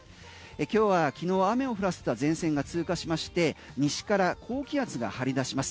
今日は昨日雨を降らせた前線が通過しまして西から高気圧が張り出します。